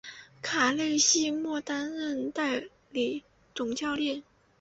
卡勒西莫担任代理总教练。